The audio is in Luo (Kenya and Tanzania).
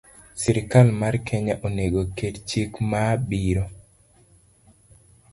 Sirkal mar Kenya onego oket chik ma biro